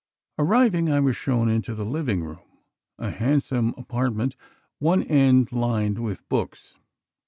Arriving, I was shown into the living room, a handsome apartment, one end lined with books.